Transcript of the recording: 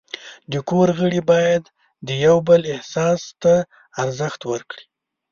د کور غړي باید د یو بل احساس ته ارزښت ورکړي.